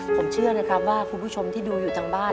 ผมเชื่อนะครับว่าคุณผู้ชมที่ดูอยู่ทางบ้าน